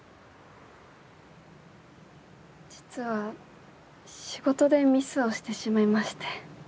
実は仕事でミスをしてしまいまして。